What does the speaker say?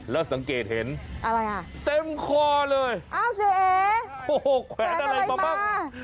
แล้วสังเกตเห็นเต็มคว้าเลยโอ้เสียเอ๋แขวนอะไรมาบ้างโอ้เสียเอ๋แขวนอะไรมาบ้าง